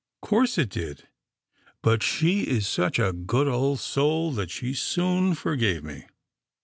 " 'Course it did, but she is such a good old soul that she soon forgave me.